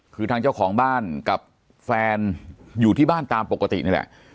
คือทางเจ้าของบ้านกับแฟนอยู่ที่บ้านตามปกตินี่แหละ